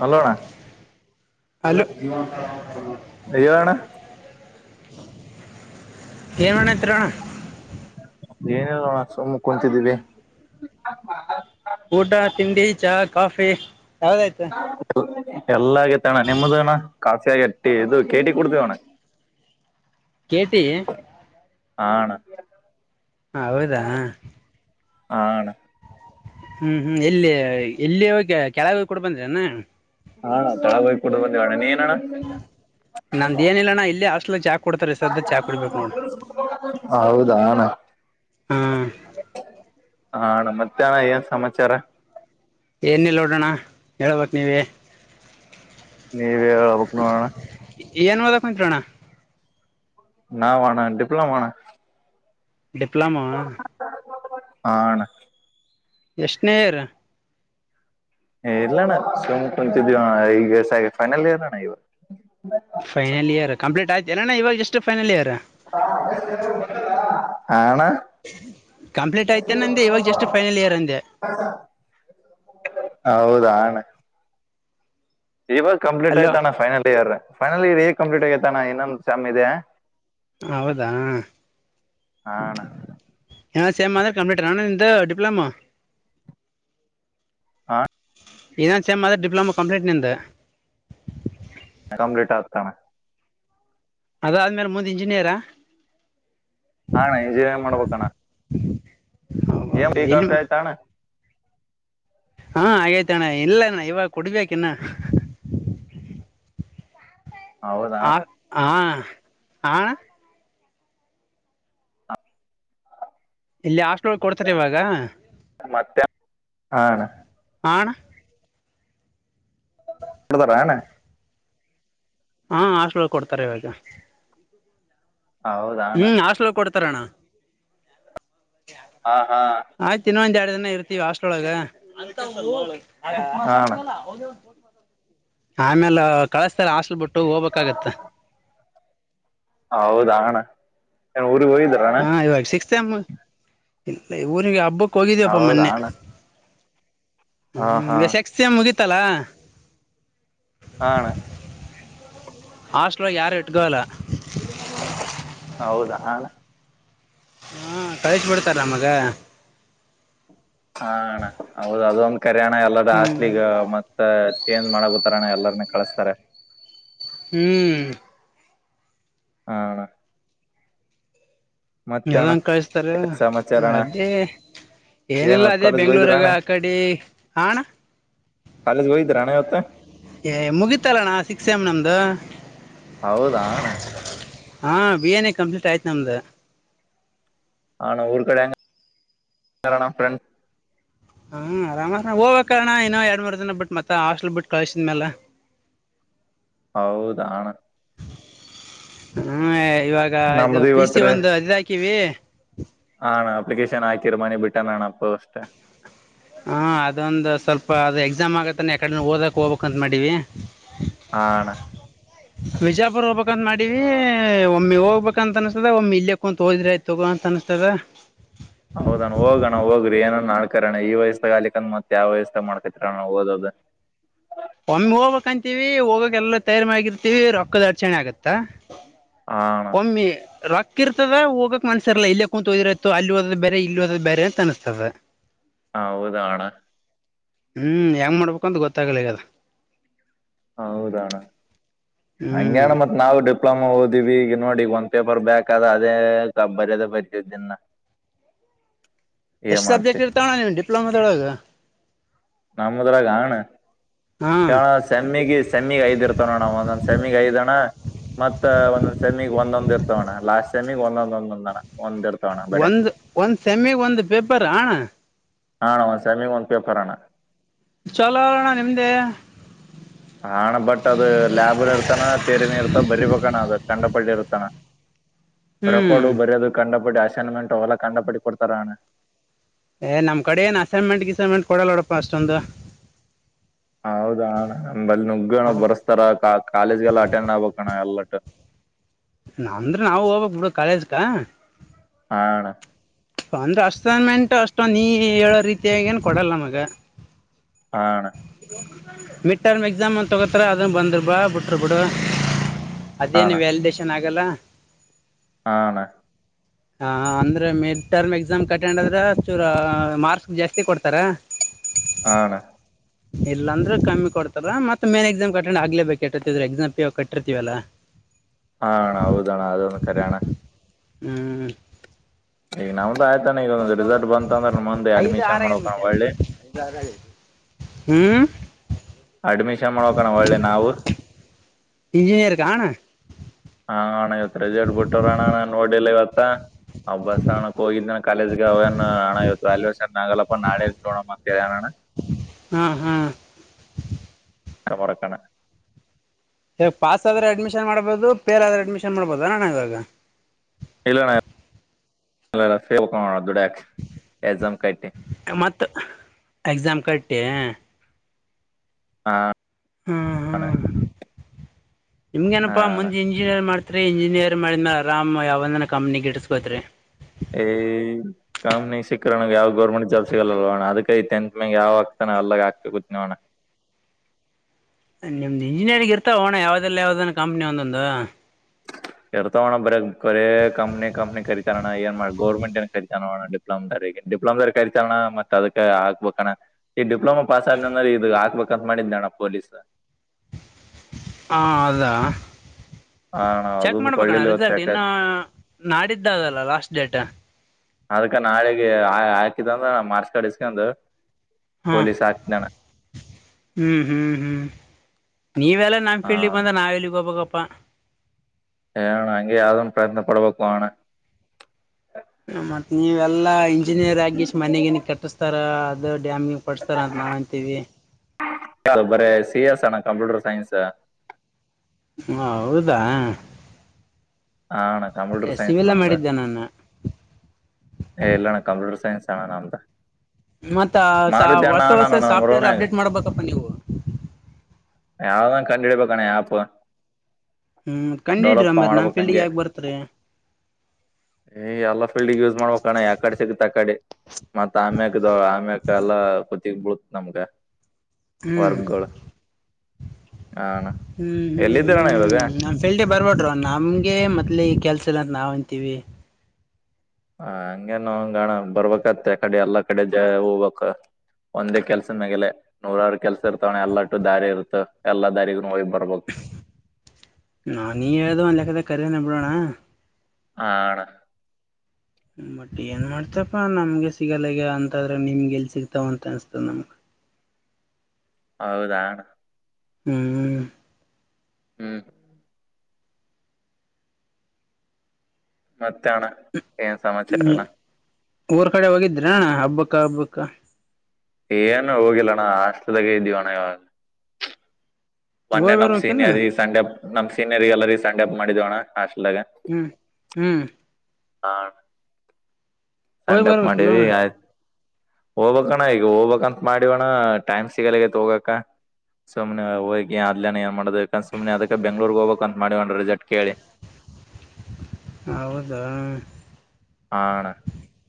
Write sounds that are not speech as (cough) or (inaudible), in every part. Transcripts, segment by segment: ಹಲ್ಲೋಣ್ಣ hello ಅಯ್ಯೋಣ್ಣ ಏನ್ಣತ್ರಣ ಏನಲಣ್ಣ ಸುಮ್ಮ ಕುಂತಿದ್ದೀವಿ ಊಟ ತಿಂಡಿ ಚಹಾ ಕಾಫಿ ಯಾವ್ದಾಯ್ತು ಎಲ್ಲಾಗತ್ತಣ್ಣ ನಿಮ್ದ ಅಣ್ಣ ಕಾಪಿಯಾಗಿ ಟ್ಟಿ ಇದು ಕೇಟಿ ಕುಡ್ತಿವ ಅಣ್ಣ ಕೇಟಿ ಹಾ ಅಣ್ಣ ಹ ಹೌದಾ ಹಾ ಅಣ್ಣ ಹ್ಮ್ ಹ್ಮ್ ಎಲ್ಲಿ ಎಲ್ಲಿ ಹೋಗ ಕೆಳಗೆ ಹೋಗಿ ಕೊಡ್ ಬಂದ್ರಾನ ಹಾ ಅಣ್ಣ ಕೆಳಗ ಹೂಗಿ ಕೂಡದ ಬಂದಿವೆ ಅಣ್ಣ ನೀನ ಅಣ್ಣ ನಮ್ದ ಏನಿಲ್ಲಣ್ಣ ಇಲ್ಲಿ ಹಾಸ್ಟ್ಲ್ ಚಾ ಕೊಡ್ತಾರೆ ಸದ್ದ ಚಾ ಕುಡ್ಬೇಕ್ ನೋಡ ಹೌದಾನ ಹಾ ಹಾ ಅಣ್ಣ ಮತ್ತಾನ ಏನ್ ಸಮಾಚಾರ ಏನಿಲ್ಲ ನೋಡೋಣ್ಣ ಹೇಳ್ಬೇಕಕ್ ನೀವ ನೀವೇಕ್ಣ ಏನ್ ಓದಕ್ ಕುಂತ್ರೋಣ್ಣ ನಾವಣ್ಣ ಡಿಪ್ಲೊಮಣ್ಣ ಡಿಪ್ಲಮ ಹಾ ಅಣ್ಣ ಎಷ್ಟನೇರ್ ಇಲ್ಲಣ್ಣ ಸುಮ್ ಕುಂತಿದೀವ ಈಗ ಫೈನಲ್ ಇರ್ಣ್ಣ ಇವ ಫನಲ್ ಇರ್ ಕಂಪ್ಲೀಟ್ ಆಯ್ತು ಎಲ್ಲಣ ಇವಾಗ ಎಷ್ಟ ೈನಲ್ ಇಯರ್ ಹಾ ಅಣ್ಣ ಕಂಪ್ಲೀಟ್ ಆಯ್ತೇನ ಅಂದೆ ಇವಾಗ ಜಸ್ಟ್ ಫೈನಲ್ ಇಯರ್ ಅಂದೆ ಹ ಹೌದಾಣ್ಣ ಇವಾಗ ಕಂಪ್ಲೀಟ್ ಅಲೋ ಆಯ್ತಾನ್ಣ ಫೈನಲ್ ಇಯರ್ ಫೈನಲ್ ಇಯರ್ ಈಗ ಕಂಪ್ಲೀಟ್ ಆಗೈತಾನ ಇನ್ನೊಂದು ಸಾಮ್ ಇದೆ ಹೌದಾ ಹಾ ಅಣ್ಣ ಇನ್ನೊಂದು ಸೇಮ ಆದ್ರ ಕಂಪ್ಲೂಟರಣ ಡಿಪ್ಲೊಮಾ ಹ ಇದಾ ಸೇಮ್ ಮಾತ್ರ ಡಿಪ್ಲೊಮಾ ಕಂಪ್ಲೀಟ್ ನಿಂತ ಕಂಪ್ಲೀಟ್ ಆಗ್ತಾನೆ ಅದಾದ್ಮೇಲೆ ಮುಂದ್ ಇಂಜಿನಿಯರಾ ಹಣ ಇಂಜಿನಿಯರಿಂಗ್ ಮಾಡಬೇಕಣ್ಣ ಎ ಎಲ್ಲಿ ಈಫೆ ತಾನ ಹಾ ಹಾಗೇತ ಅಣ್ಣ ಇಲ್ಲಣ್ಣ ಇವಾಗ ಕುಡ್ಬೇಕ ಇನ್ನ ಹೌದಾ ಅಣ್ಣ. ಹ ಹಾ ಹಣ ಇಲ್ಲಿ ಹಾಸ್ಟಲ್ಳಗೆ ಕೊಡ್ತಾರೆ ಇವಾಗ ಮತ್ತೆ ಹಣ ಹಣ ಕೊಡತರ ನ ಹಾ ಹಾಸ್ಟೆಲ್ಕೊಡ್ತಾರೆ ಇವಾಗ ಹ ಹೌದಣ ಹಾ ಹಾ ಆಯ್ ಇನ್ನುಂದ ಇರ್ತವಿ ಹಾಸ್ಟೆಗ ಹಾ ಅಣ್ಣ ಆಮೇಲೆ ಕಳಸ್ತಾರೆ ಹಸ್ಲ್ ಬಿಟ್ಟು ಹೋಗ್ಬೇಕಾಗತ್ತ ಹೌದಣ ಊ ಹಾ ಇವಾಗ ಸಿಕ್ಸ್ ಟಮ್ ಇಲ್ಲ ಊರಿಗೆ ಹಬ್ಬಕ್ಕ ಹೋಗಿದೀಪ್ಪ ಹೌದಾ ಮೊನ್ನೆ ಅಣ್ಣ ಹ ಹಾ ಹಾ ಹ್ಮ್ ಈ ಶೆಕ್ಸ್ಸ ಮುಗೀತಲ್ಲಾ ಹಣ ಹಾಸ್ಟ್ ಯಾರು ಎಟ್ಕಾಳಲ ಹೌದಾ ಅಣ್ಣ ಹಾ ಕಳಿಸಿ ಬಿಿಡ್ತಾರ ನಮಗೆ ಹಾಣ ಹೌದು ಅದು ಕರಣ ಎಲ್ಲರ ಹ್ಮ್ ಹಾಸ್ಲಿಗ ಮತ್ತ ಚೇಂಜ್ ಮಾಡತಾರಣ ಎಲ್ಲಾರ್ನ್ನ ಕಳಸ್ತಾರೆ ಹ್ಮ್ ಹಣ ಯದಂಗ ಕಳ್ಸ್ತಾರ ಸಮಾಚಾರ ಅಣ್ಣ ಅದೇ ಏನು ಏನಿಲ್ಲ ಅದೇ ಕಾಲೇಜ್ ಹೋಗಿದ್ರ ಬೆಂಗ್ಳೂರಾಗ ಅಣ್ಣ ಆ ಕಡಿ ಅಣ್ಣ ಕಾಲೇಜ್ ಹೋಗ್ದ್ರಣೆ ಏ ಮುಗೀಿತಲ್ಲಣ್ಣ ಸಿಕ್ಸ್ ಎಮ್ ನಮ್ದು ಹೌದಾಣ್ಣ ಹಾ ಬಿ ಎನ್ ಎ ಕಂಪ್ಲೀಟ್ ಆಯ್ತು ನಮ್ದ ಹಣ ಊರ್ ಕಡೆಂಗ ಹ್ಮ ಆರಾಮಸ್ ಹೋಗ್ಬೇಕ ಕಾರಣ ಇನ್ನೋ ಎರಡ್ ಮೂರ್ ದಿನ ಬಿಟ್ಟ ಮತ್ತ ಹಾಸ್ಟಲ್ ಬಿಟ್ಟು ಕಳ್ಿದ್ಮೇಲೆ ಹ ಹೌದಣ ಹ್ಮ ಇವಾಗ ಇದು ನಮ್ದು ಪ ಸಿ ಇವತ್ತು ಒಂದು ಅದ ಹಾಕೀಿ ಹಾ ಅಣ್ಣ ಅಪ್ಲಿಕೇಶನ್ ಆಯ್ತೀರ್ ಮಾನಿ ಬಿಟ್ಟನ್ ಅಣಪ್ಪ ಅಷ್ಟೆ ಹಾ ಅದೊಂದು ಸ್ವಲ್ಪ ಅದು ಎಕ್ಸಾಮ್ ಆಗತ್ತಾನ ಯಕಡ ಓದಕ್ ಹೋಗ್ಬೇಕಕ್ ಅಂತ ಮಾಡೀವಿ ಹಾ ಅಣ್ಣ ಬಜಾಪೂರ್ ಒಬೇಕ ಅಂತ ಮಾದಿವಿ ವಿ ಒಮ್ಮಿ ಹೋಗ್ಬೇಕಂತ ಅನ್ಸ್ತದ ಒಮ್ಮಿ ಇಲ್ಲಯಕ್ಕ ಕುಂತತ್ ಹೋದ್ರ ಆಯ್ತಗ ಅಂತ ಅನ್ಸ್ತದ ಹೌದಣ ಹೋಗಣ ಹೋಗ್ರಿ ಏನನ್ ನಾಳ್ಕರಣ ಈ ವಯಸ್ಸತಾಗ ಆಲಿಕಂದ ಮತ್ ಯಾವ ವಯಸ್ಸತಾಗ ಮಾಡ್ಕತಿರಣ ಓದೋದ ಒಮ್ಮ ಹೋಗ್ಬೇಕಕ್ಂತೀವಿ ಹೋಗಕ್ಕೆ ಎಲ್ಲ ತಯಾರಿ ಮಾಡಗಿರ್ತಿೀವಿ ರೊಕ್ಕದ ಅಡಚಣೆ ಆಗತ್ತಾ ಹಾ ಅಣ್ಣ ಒಮಿ ರೋಕ್ ಹಕ್ಕಿರ್ತದ ಹೋಗಕ್ ಮನ್ಸರ್ಲ್ಲ ಇಲ್ಲೇ ಕುಂತತ್ ಹೋದಿರಯತ್ತು ಅಲ್ಲಿಓದ ಬೇರೆ ಇಲ್ಲಿ ಓದ್ ಬೇರೆ ಅಂತ ಅನಸ್ತದ ಹ ಹೌದಣ ಹ್ಮ್ ಹೆಂಗ್ ಮಾಡ್ಬೇಕುಂತ ಗೊತ್ತಾಗಲಿಗದ ಹ ಹೌದಣ್ಣ ಹ್ಮ್ ಹಂಗೆಣ ಮತ್ ನಾವ ಡಿಪ್ಲೊಮಾ ಓದ್ವಿ ಈಗ ನೋಡಿ ಈಗ ಒಂದ್ ಪೇಪರ್ ಬ್ಯಾಕ್ ಆದ ಅದೇ ಬರೋದೇ ಬರಿತಿದ್ದನ್ನ (inaudible) ಎಷ್ಟು ಸಬ್ಜೆಕ್ಟ್ ಇರ್ತಣ್ಣ ನೀವು ಡಿಪ್ಲೊಮಾ ದೋಳಗ ನಮ್ಮದರ ಗಾಣ ಹಾ ಕಣ ಸಮ್ಮಿಗೆ ಸಮ್ಮಿಗೆ ಐದ್ ಇರ್ತವನಣ ನಾವ ಒಂದೊಂದ್ ಸಮ್ಮಿ ಐದಣ್ಣ ಮತ್ತ ಒಂದೊಂದ್ ಸೆಮಿಗ್ ಒಂದೊಂದ್ ಇರ್ತವಣ್ಣ ಲಾಸ್ಟ್ ಸೆಮಿಗ್ ಒಂದೊಂದ್ ಒಂದೊಂದಣ ಒಂದ ಒಂದ್ ಸಮ್ಮಿ ಒಂದು್ ಪೇಪರ್ ಹಣ್ಣ ಹಣ ಒಂದಂದು ಸೆಮಿಂಗ ಒಂದಂದು ಪೇಪರ್ಣ ಚಲೋ ರೋಣ ನಿಮ್ದೇ ಹಣ ಬಟ್ ಅದ ಲ್ಯಾಬ್ರ್ ಇರ್ತಾನ ತೇರಿನ ಇರ್ತ ಬರಿಬೇಕಣ ಅದ ಕಂಡಪಟ್ಟ ಇರ್ತಾನ ಹ್ಮ್ ರಕಡು ಬರಯೋದು ಕಂಡಪಟ್ಟ ಅಸೈನ್ಮೆಂಟ್ ಅವ ಅವಲ್ಲ ಕಂಡಪಟ್ಟಿ ಕೊಡ್ತಾರ ಅವಣ ಏ ನಮ್ ಕಡೆ ಏನ್ ಅಸೈನ್ಮೆಂಟ್ ಗಿಸೈನ್ಮೆಂಟ್ ಕೊಡಲ್ಲ ನೋಡಪ್ಪ ಅಷ್ಟೊಂದು ಹೌದಾಲ್ಲಿ ನುಗ್ಗೋಣ ಹ್ಮ್ ಬರ್ಸ್ತಾರ ಕಾಲೇಜ್ಗೆಲ್ಲ ಅಟೆಂಡ್ ಆಗ್ಬೇಕಣ್ಣ ಎಲ್ಲ ಹ ನಂದ್ರ ನಾವವು ಹೋಗ್ಕ್ ಬಿಡು ಕಾಲೇಜ್ಕ ಹಣ ಅಂದ್ರೆ ಅಸ್ಸೈನ್ಮೆಂಟ್ ಅಷ್ಟೊ ನೀ ಹೇಳೋ ರೀತಿಯೇನ್ ಕೊಡಲ್ಲ ನಮಗ ಹಣ ಮಿಡ್ ಟರ್ಮ್ ಎಕ್ಸಾಮ್ ಅಂತ ತೊಗೋತಾರ ಅದನ್ನು ಬಂದರು ಬಾ ಬಿಟ್ರು ಬಿಡು ಅದೇನು ವ್ಯಾಲ್ಡೇಶನ್ ಆಗಲ್ಲ ಹಣ ಹಾ ಅಂದ್ರೆ ಮಿಡ್ ಟರ್ಮ್ ಎಕ್ಸಾಮ್ ಕಟೆಂಡ್ ಆದ್ರೆ ಚೂರ ಮಾರ್ಕ್ಸ್ ಜಾಸ್ತಿ ಕೊಡ್ತಾರ ಆಣ ಇಲ್ಲಾಂದ್ರೆ ಕಮ್ಮಿ ಕೊಡ್ತಾರ ಮತ್ತತ್ ಮೇನ್ ಎಕ್ಸಾಮ್ ಕಟ್ಟ್ ಆಗ್ಲೇ ಬೇಕಿರ್ತಿದ್ರ ಎಕ್ಸಾಮ್ ಕಟ್ಟಿರ್ತವಲ್ಲಾ ಹಣ ಹೌದಣ ಅದೊಂದು ಕರಣ ಹ್ಮ್ ಈಗ ನಮ್ದು ಆಯ್ತಾನೆ ಈಗ ಒಂದ್ ರಿಸಲ್ಟ್ ಬಂತ ಅಂದ್ರ ಮಂದೆ ಐದು ಅಡ್ಮಿಶನ್ ಆರ ಏನು ಮಾಡ್ಕಣ ಮತ್ತೆ ಒಳ್ಳೆ ಹ್ಮ್ ಅಡ್ಮಿಷನ್ ಮಾಡೋಕಣ ಒಳ್ಳೆ ನಾವು ಇಂಜಿನಿಯರ್ಗ ಹಾಣ ಇತ್ ರಜಡ್ಬ ಬಿಟ್ಟ್ರಣ್ಣ ನಾನ್ ನೋಡಿಿಲ್ಲ ಇವತ್ತ ಅವ ಬಸ್ ಹಣಕ್ ಹೋಗಿದ್ದನ ಕಾಲೇಜ್ಗೆ ಅವೇನ್ ಹಣ ಇವತ್ತು ಅಾಲ ವರ್ಷದನ ಆಗಲ್ಲಪ್ಪ ನಾಳ ಇ ನೋಣಮ್ಮ ಚಾನಣ ಹಾ ಹಾ ಹ ಕೊರಕಣ ಇವಾಗ ಪಾಸ್ ಆದ್ರೆ ಅಡ್ಮಿಷನ್ ಮಾಡ್ಬೋುದು ಪಫೇರ್ ಆದ್ರೆ ಅಡ್ಮಿಷನ್ ಮಾಡ್ಬೋದ ಅಣ ಇವಾಗ ಇಲ್ಲ ಇಲ್ಲ ಇಲ್ಲ ಸೇ ಅುಡಾಕ್ ಜಾಮ ಕಟ್ಟೆ ಮತ್ತ ಎಕ್ಸಾಮ್ ಕಟ್ಟೆ ಹಾ ಹಾ ಹಾ ನಿಮ್ಗ ಹಾ ಏನಪ್ಪಾ ಅಣ್ಣ ಮುಂದ್ ಇಂಜಿನಿಯರ್ ಮಾಡತ್ರಿ ಇಂಜಿನಿಯರ್ ಮಾಡಿದ್ ಆರಾಮ್ ಯಾವಂದ ಕಂಪ್ನಿ ಇಟ್ಸ್ಕೋತ್ರಿ ಏ್ ಕಂಪ್ನಿ ಸಿಕ್ಕರನಗೆ ಯಾವ್ ಗೌರ್ಮೆಂಟ್ ಜಾಬ್ ಸಿಗಲ್ಲಲ್ವಣ ಅದಕೈ ಟೆಂತ್ ಮ್ಯ ಯಾವ್ ಆಗ್ತ ನಲ್ಲ ಕಾಕ್ ಕುಚಣ ನಿಮ್ದು ಇಂಜಿನಿಯರಿಂಗ್ ಇರ್ತಾವ ಹೋಣ ಯಾವ್ದಲ್ಲ ಯಾವ್ದನ್ ಕಂಪ್ನಿ ಒಂದೊಂದು ಇರ್ತವಣ ಬರ ಬರ ಕಂಪ್ನಿ ಕಂಪ್ನಿ ಕತಾನ ಏನ್ ಮಾಡ ಗೌರ್ಮೆಂಟ್ ಏನ್ ಕರಿತಣ ಡಿಪ್ಲಮ್ ದಾರ ಡಿಪ್ಲೋಮ್ ದಾರಿ ಕರಿತ ಅಣ್ಣ ಮತ್ ಅದಕ ಹಾಕ್ಬೇಕಣ ಈ ಡಿಪ್ಲೊಮಾ ಪಾಸ್ ಆದ್ಂದ್ರೆ ಇದದು ಹಾಕ್ಬೇಕಂತ ಮಾಡಿದ್ ನಣ ಪೊೀಸ್ ಹ ಅದಾ ಹಾ ಅಣ್ಣ ಚೆಕ್ ಅದೊಂದು ಮಾಡ್ಬೇಕಣ್ಣ ಕೊಳ್ಳಿಲ್ಲ ಇವತ್ತು ರಿಸಲ್ಟ್ ಇನ್ನು ಸಾಕಾಯ್ತು ನಾಡಿದ್ದದಲ್ಲ ಲಾಸ್ಟ್ ಡೇಟ್ ಅದಕ ನಾಳಿಗೆ ಹಾಕಿದಂದ್ರ ನಾ ಮಾರ್ಚ್ ಕಡಸ್ಕೊಂಡ ಹಾ ಪೊಲೀಸ್ ಹಾಕ್ನಾನ ಹ್ಮ್ ಹ್ಮ್ ಹ್ಮ್ ನೀವೆಲ್ಲ ನಮ್ ಹಾ ಫೀಲ್ಗ್ ಬಂದ್ರ ನಾವ್ ಎಲ್ಲಿಗೆ ಹೋಗಬಬೇಕ ಪ್ಪ ಹ ಅಣ ಹಂಗಗೆ ಯಾವ್ದನ್ ಪ್ರಯತ್ನ ಪಡ್ಬೇಕು ಅಣ್ಣ ಹ ಮತ್ತ್ ನೀವೆಲ್ಲಾ ಇಂಜಿನಿಯರ್ ಆಗೇಶ್ ಮನೆಗನ ಕಟ್ಟಿಸ್ತಾರ ಅದುೊ ಡ್ಯಾಮಿಗೆ ಪಡ್ಸ್ತಾರ ಅಂತ ನಾವ ಅಂತೀವಿ ಯಾವ ಬರ ಸಿ ಎಸ್ಣ್ಣ ಕಂಪ್ಯೂಟರ್ ಸೈನ್ಸ್ ಹ ಹೌದಾ ಹಾ ಅಣ್ಣ ಕಂಪ್ಯೂಟರ್ ಸೈನ್ಸ್ ಸಿಿವಲ್ಲ ಮಾಡಿದ್ದೆ ನಾನ ಹ ಇಲ್ಲಣ ಕಂಪ್ಯೂಟರ್ ಸೈನ್ಸ್ ಆಣ ನ್ದ ಮತ್ತ ಸ ವರ್ಸ ವರ್ಸ ನಮ್ಮ ಸಾಫ್ಟ್ವೇರ್ ರೂಮ್ನ್ಯಾಗ ಅಪ್ಡೇಟ್ ಮಾಡ್ಬೇಕಪ್ಪ ನೀವು ಯಾರದಾ ಕಂಡಡಿ ಪ ಕಣ ಯಾಪ ಹ್ಮ್ ಕಂಡಿಡ್ರಿ ಅಮೇತ್ ನಾ್ ಫೀಲ್ಡ್ ಯಾಕ ಬರ್ತ್ರಿ ಏ, ಎಲ್ಲ ಫೀಲ್ಡ್ಗ್ ಯೂಸ್! ಮಾಡ್ಬೇಕಣ ಯಾ ಕಡೆ, ಸಿಗುತ್ತ, ಆ ಕಡೆ. (unintelligible) ಮತ್ತ್, ಆಮ್ಯಕದು, ಆಮ್ಯಕ, ಎಲ್ಲಾ ಕುತಿ ಬಿಡತ್, ನಮಗ. (unintelligible) ಹ್ಮ್ ವರುಗಳು. (unintelligible) ಹ್ಮ್, ಹ್ಮ್, ಹ್ಮ್, ಇವಾಗ ನಮ್ಫೀಲ್ಡೆಗೆ, ಬರಬೇಡರೋ ನಮ್ಗೆ, ಮೊದ್ಲೇ, ಈ ಕೆಲ್ಸ. (unintelligible) ಗೊತ್ತಿಲ್ಲ ಅಂತ ನಾವಂತೀವಿ? (unintelligible) ಹ, ಹಂಗೇನು, ಹಂಗಣ, ಬರ್ಬೇಕಾದ್ರೆ ತಿಳ್ಕೊಂಡು, ಆ ಕಡೆ ಎಲ್ಲಾ! ಕಡೆ ಜ, ಹೋಗಕ್ಕ. (unintelligible) ಒಂದೇ, ಕೆಲ್ಸ ಮ್ಯೇಲೆ, ನೂರಾರು, ಕೆಲ್ಸ ಇರ್ತವಣ, ಎಲ್ಲಟ್ಟು, ದಾರಿ ಇರುತ ಎಲ್ಲಾ ದಾರಿಗೂ! (unintelligible) ಹಾ, ನೀನು ಹೇಳಿದ ಲೆಕ್ಕದಲ್ಲಿ? ಖರೇನ ಅದೆಲ್ಲ ಬಿಡೋಣ್ಣ. (unintelligible) ಹಡ. (unintelligible) ಹಾ, ಬಟ್, ಏನ್ ಮಾಡ್ತೀಯಪ್ಪ, ನಮ್ಗೆ ಸಿಗಲ್ಲಗೆ ಅಂತಾದ್ರೆ ನಿಮ್ಗೆ ಎಲ್ ಸಿಗ್ತಾವ ಅಂತ ಅನ್ಸ್ತ ನಮ್ಗ. (unintelligible) (unintelligible) (inaudible) ಹೌದಾ? (inaudible) ಹ್ಮ್, ಹ್ಮ್ಮ್. (inaudible) ಹ್ಮ್ ಮತ್ತೆನ್ನ, ಏನ್, ಸಮಾಚಾರನಾ. (inaudible) ನಿಮ್ಮು ಊರ್, ಕಡೆ ಹೋಗಿದ್ದ! ಹಬ್ಬಕ್ಕ, ಹಬ್ಬಕ್ಕ? (inaudible) ಏನು, ಹೋಗಿಲ್ಲಣ್ಣ, ಹಾಸ್ಟೆಲ್ ದಾಗ! ಇದ್ದೀನಿ ಅಣ್ಣ. (inaudible) ಮೊನ್ನೆ, ಹೋಗ್ ನಮ್ ಬರ್ಬೇಕಿಲ್ಲ ಸೀನಿಯರ್, ಸೆಂಡ ಅಪ್ ನಮ್ ಸೀನಿಯರ್ ಎಲ್ಲರಿಗೆ, ಸೆಂಡ್ ಆಫ್ಅಪ್ ಮಾಡಿದೋಣ್ಣ, ಅಷ್ಟೆ! (inaudible) ಹ್ಮ್, ಹ್ಮ್. (inaudible) ಹಾ, ಅಣ್ಣ. (inaudible) ಹೋಗ್ ಸ್ಯಾಂಡಪ್, ಬರ್ಬೇಕಿಲ್ಲ ಮಾಡಿವಿ, ಅಣ್ಣ ಆಯ್ತು! (inaudible) ಹೋಗ್ಬೇಕು, ಅಣ್ಣ, ಈಗ ಹೋಗ್ಬೇಕಂತ ಮಾಡಿವಿ, ಟೈಮ್, ಸಿಗಲ್ಲ ಹೋಗೋಕೆ? (unintelligible) ಸುಮನೆ ಹೋಗಿ, ಅಲಿಯೆನ್ನ, ಏನ್ ಮಾಡುದು, ಅಂತ, ಸುಮ್ನೆ ಅದಕ್ಕೆ, ಬೆಂಗಳೂರಿಗೆ ಹೋಗ್ಬೇಕಕ್ ಅಂತ ಮಾಡಿವಿ, ರಿಸಲ್ಟ್ಕೇಳಿ. (inaudible) ಹೌದಾ! ಹಾ ಅಣ್ಣ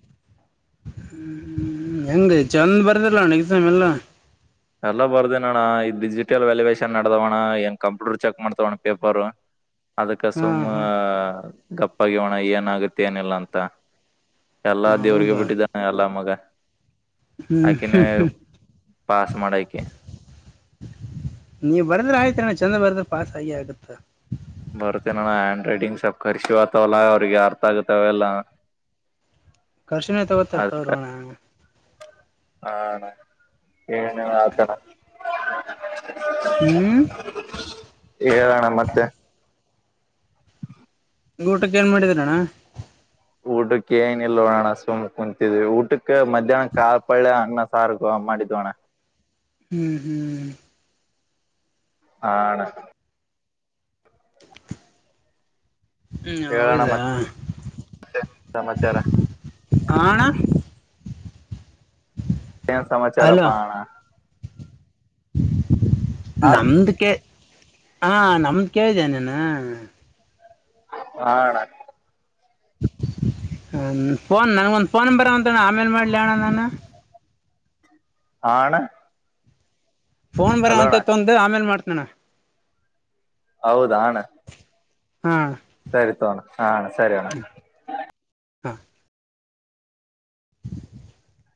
(unintelligible) ಹ್ಮ್, ಯಂಗ್ ಚಂದ್ ಬರ್ಲಿಲ್ಲ, ಅಣ್ಣಾ, ಇದನ್ನಲ್ಲ? (unintelligible) ಎಲ್ಲ, ಬರ್ದಿದ್ದೀನಿ ಅಣ್ಣ, ಇ ಡಿಜಿಟಲ್ ವ್ಯಾಲ್ಯುವೇೇಶನ್, ನಡದವಣ್ಣ ಏನ್ ಕಂಪ್ಯೂಟರ್, ಚೆಕ್! ಮಾಡ್ತವಣ್ಣ, ಪೇಪರ್? (inaudible) ಅದಕ್ಕ, ಹಾ ಸುಮ್ಮ, ಹಾ ಗಾಪ್ಪಾಗಿ ಅಣ್ಣ, ಏನಾಗತ್ತೆ ಎನ್ಯಾಗಿಲ, ಅಂತ? (unintelligible) ಎಲ್ಲಾ, ಹಾ ದೇವ್ರಿಗೆ, ಹೌದಾ ಬಿಟ್ಟಿದ್ದಾನ! ಎಲ್ಲ ಮಗ. (inaudible) I can pass. (unintelligible) ನೀ ಬರೆದರೆ, ಆಯ್ತು, ಅಣ್ಣಾ. (unintelligible) ಚೆಂದ, ಬಾರಿದಾರೆ, ಪಾಸ್, ಆಗಿ ಆಗುತ್ತ! (unintelligible) ಬರ್ತೆೇನಾನ, ಹ್ಯಾಂಡ್ ರೈಟಿಂಗ್ ಸಪ್ ಖರ್ಷಿವತವಲ್ಲ! ಅವ್ರಿಗೆ ಅರ್ಥ ಆಗತಾವಲ್ಲ. (unintelligible) ಕ್ವೆಶ್ಚನ್, ಅರ್ಥ, ಆಗ್ತಿಲ್ಲ, ಅಲ್ವನ್ನ. (unintelligible) ಹ, ಅಣ್ಣ, ಏನುಯತೀರ? ಹ್ಮ್ (unintelligible) ಹೇಳಣ, ಮತ್ತೆ. (unintelligible) ಊಟಕ್ಕೆ, ಏನ್ ಮಾಡಿದ್ರಣ್ಣ? (unintelligible) ಊಟಕ್ಕೆ, ಏನು, ಇಲ್ವನ್ನ, ಸುಮ್, ಕುತಿದ್ವಿ ಊಟಕ್ಕೆ, ಮಧ್ಯಾಹ್ನ, ಕಾಪಾಳ್ಯ ಅಂಗ. (unintelligible) ಸಾರುಗೋ, ಮಾಡಿದ್ದೀವಿ ಅಣ್ಣ. (inaudible) ಹ್ಮ್, ಹ್ಮ್. (unintelligible) ಆ ಅಣ್ಣ. (unintelligible) ಹ್ಮ್, ಹೇಳೋಣ ಹೌದಾ? ಮತ್ತೆ (unintelligible) ಸಮಾಚಾರ ಹ ಆನ್ಣ. (unintelligible) ಏನ್, ಸಮಾಚಾರಪ್ಪಣ? (unintelligible) ಹಾ ನಮ್ದಕ್ಕೆ? (unintelligible) ಹಾ, ನಮ್ದ್, ಕೇಳ್ಳಿದಿಯ ನೀನು? (unintelligible) ಹಾಣ. (unintelligible) ಹ, ಫೋನ್ ನನ್ಗೊಂದ್, ಫೋನ್ಂಬರ್ ಅಂತಣ, ಆಮೇಲೆ, ಮಾಡ್ಲಿ ಅಣ್ಣ ನಾನು? (unintelligible) ಆ, ಅಣ್ಣಾ! (inaudible) ಫೋನ್, ಬೇರೆ, ಅಂತೈತ್, ಒಂದು ಆಮೇಲ್ ಮಾಡ್ತಾನ. (unintelligible) ಹೌದ, ಹಣ. (unintelligible) ಹಾ ಸರಿತಾಕೊಲನಾ, ಸರಿಯಣ್ಣ. (unintelligible) ಹಾ ಹ